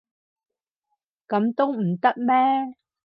噉都唔得咩？